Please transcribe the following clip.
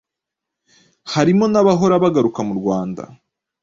harimo n’abahora bagaruka mu Rwanda